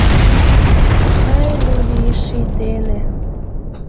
Ай, люли, ший дене